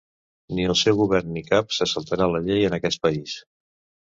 Ni el seu govern ni cap se saltarà la llei en aquest país.